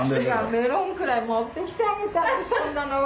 メロンくらい持ってきてあげたのに。